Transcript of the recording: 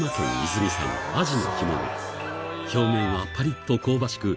表面はパリっと香ばしく